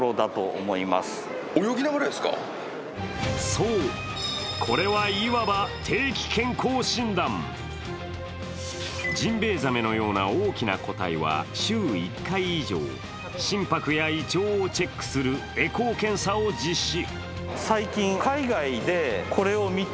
そう、これはいわば定期健康診断ジンベエザメのような大きな個体は週１回以上心拍や胃腸をチェックするエコー検査を実施。